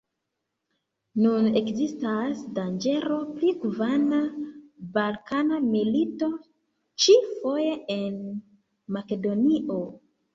Nun ekzistas danĝero pri kvina Balkan-milito, ĉi-foje en Makedonio.